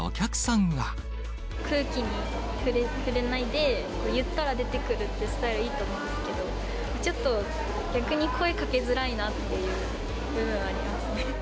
空気に触れないで、言ったら出てくるってスタイルはいいと思うんですけど、ちょっと逆に声かけづらいなっていう部分はありますね。